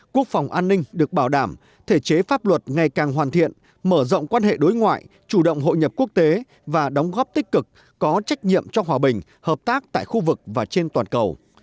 quốc phòng an ninh được bảo đảm thể chế pháp luật ngày càng hoàn thiện mở rộng quan hệ đối ngoại chủ động hội nhập quốc tế và đóng góp tích cực có trách nhiệm cho hòa bình hợp tác tại khu vực và trên toàn cầu